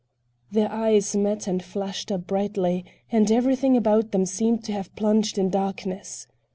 Their eyes met and flashed up brightly, and everything about them seemed to have plunged in darkness.